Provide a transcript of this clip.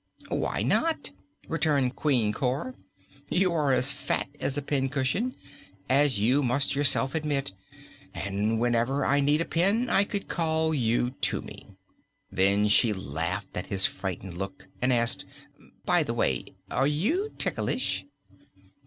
"Why not?" returned Queen Cor. "You are as fat as a pincushion, as you must yourself admit, and whenever I needed a pin I could call you to me." Then she laughed at his frightened look and asked: "By the way, are you ticklish?"